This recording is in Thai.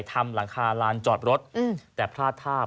ทำหลังคาราญจอดรถแต่พลาดธาปน์